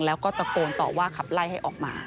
แล้วก็ตะโกนต่อว่าขับไล่ให้ออกมา